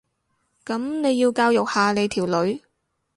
噉你要教育下你條女